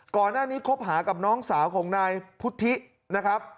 ก่อนหน้านี้คบหากับน้องสาวของนายพุทธินะครับ